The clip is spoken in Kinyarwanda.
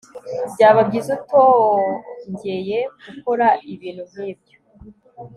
Byaba byiza utongeye gukora ibintu nkibyo